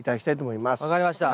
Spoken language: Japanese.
分かりました。